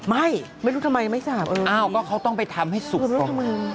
ไม่รู้ทำไมไม่สาบเอออ้าวก็เขาต้องไปทำให้สุกทำไม